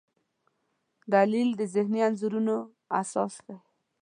لیدل د ذهني انځورونو اساس دی